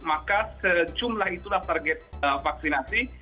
maka sejumlah itulah target vaksinasi